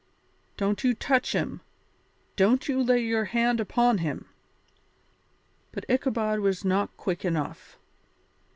"Don't you touch him; don't you lay your hand upon him!" But Ichabod was not quick enough.